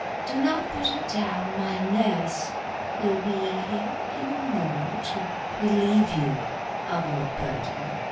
Do not put her down. My nurse will be here in a moment to relieve you of your burden."